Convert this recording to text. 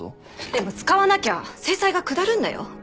でも使わなきゃ制裁が下るんだよ？